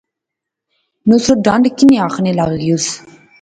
نصرت ڈانڈا کنے آخنے لاغیوس